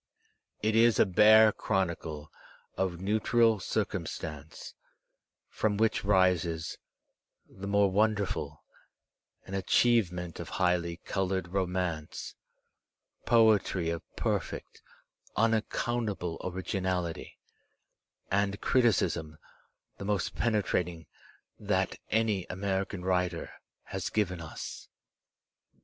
It is a bare chronicle of neutral cir cumstance, from vvLioh rises, the more wonderful, an achieve ment of highly coloured romance, poetry of perfect, unac countable originality, and criticism the most penetrating that any American writer has given us.